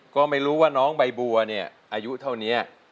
ก็ไม่รู้ว่าน้องใบบัวเนี่ยอายุเท่านี้